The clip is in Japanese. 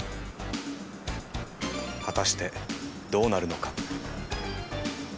果たしてどうなるのか？